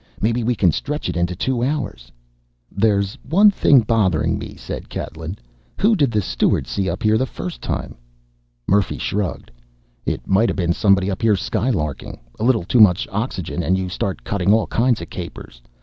Maybe we can stretch it into two hours." "There's one thing bothering me," said Catlin. "Who did the steward see up here the first time?" Murphy shrugged. "It might have been somebody up here skylarking. A little too much oxygen and you start cutting all kinds of capers.